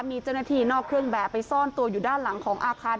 มีเจ้าหน้าที่นอกเครื่องแบบไปซ่อนตัวอยู่ด้านหลังของอาคาร